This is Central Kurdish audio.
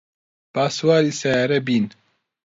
با سواری سەیارە بین.